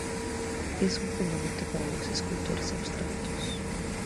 Es un fundamento para los escultores abstractos.